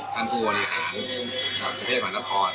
ท่านผู้วันอินหารกรุงเทพมหานคร